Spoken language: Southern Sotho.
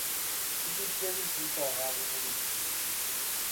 E fihlile bosiu ka hora ya borobedi.